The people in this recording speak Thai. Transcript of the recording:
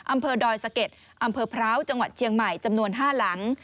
อำเภอดอยสะเก็ดอำเภอพร้าวจังหวัดเชียงใหม่จำนวน๕หลัง